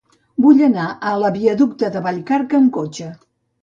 Vull anar a la viaducte de Vallcarca amb cotxe.